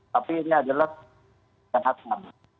tapi ini adalah kenakan